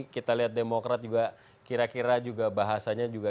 kita juga bahasanya